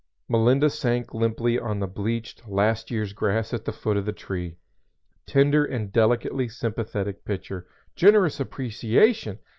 "_ Melinda sank limply on the bleached, last year's grass at the foot of the tree. "Tender and delicately sympathetic picture" "Generous appreciation!"